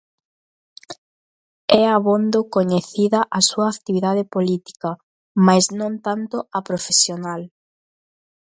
É abondo coñecida a súa actividade política, mais non tanto a profesional.